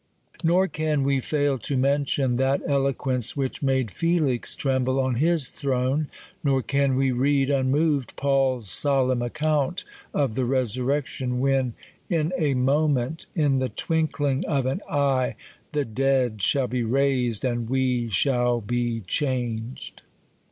Nor can we fail to mention that eloquence, which made Felix tremble on his throne. Nor can we read, unmoved, Paul's solemn account of the resurrection ; when, " In a moment, in the twinkling of an eye, the dep^l shall be raised, and we shall be changed."